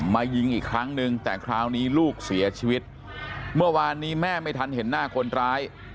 มายิงอีกครั้งนึงแต่คราวนี้ลูกเสียชีวิตเมื่อวานนี้แม่ไม่ทันเห็นหน้าคนร้าย